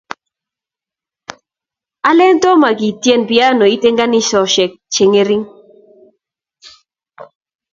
alen tomo kitiene pianoit eng kenyishek che ng'ering